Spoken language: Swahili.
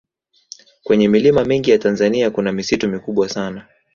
kwenye milima mingi ya tanzania kuna misitu mikubwa sana